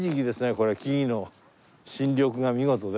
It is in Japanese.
これ木々の新緑が見事で。